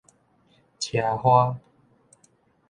奢華